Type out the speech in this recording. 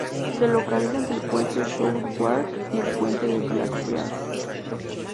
Se localiza entre el Puente de Southwark y el Puente de Blackfriars.